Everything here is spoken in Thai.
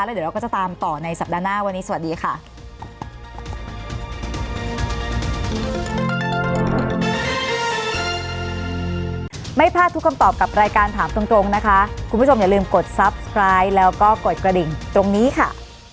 เดี๋ยวเราก็จะตามต่อในสัปดาห์หน้าวันนี้สวัสดีค่ะ